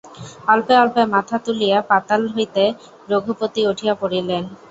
অল্পে অল্পে মাথা তুলিয়া পাতাল হইতে রঘুপতি উঠিয়া পড়িলেন।